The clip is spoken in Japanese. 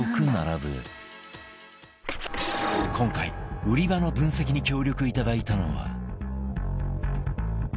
今回売り場の分析に協力いただいたのは